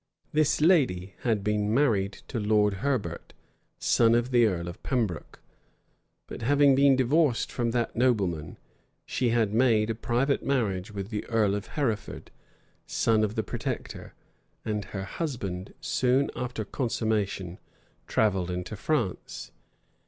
This lady had been married to Lord Herbert, son of the earl of Pembroke; but having been divorced from that nobleman, she had made a private marriage with the earl of Hertford, son of the protector; and her husband, soon after consummation, travelled into France.